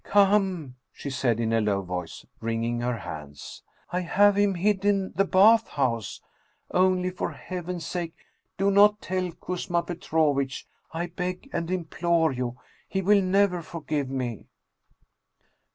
" Come !" she said in a low voice, wringing her hands. " I have him hid in the bath house ! Only for heaven's sake, do not tell Kuzma Petrovitch. I beg and implore you ! He will never forgive me